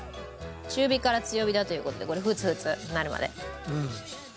中火から強火だという事でこれフツフツなるまで。